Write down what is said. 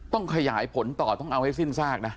ต้องขยายผลต่อต้องเอาให้สิ้นซากนะ